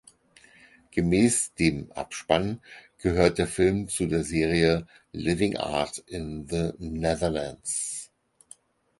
Gemäß dem Abspann gehört der Film zu der Serie "Living Arts in the Netherlands".